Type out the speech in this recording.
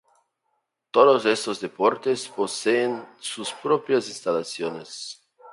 Todos estos deportes poseen sus propias instalaciones.